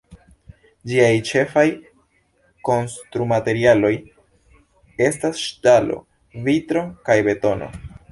Ĝiaj ĉefaj konstrumaterialoj estas ŝtalo, vitro kaj betono.